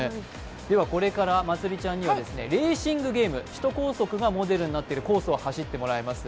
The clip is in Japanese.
これからまつりちゃんにはレーシングゲーム、首都高速がモデルになっているコースを走ってもらいます。